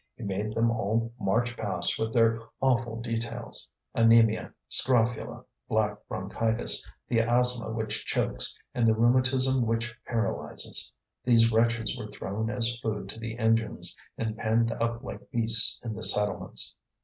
He made them all march past with their awful details: anaemia, scrofula, black bronchitis, the asthma which chokes, and the rheumatism which paralyses. These wretches were thrown as food to the engines and penned up like beasts in the settlements.